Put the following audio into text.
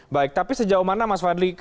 baik tapi sejauh mana mas fadli